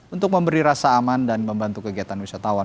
untuk memberi rasa aman dan membantu kegiatan wisatawan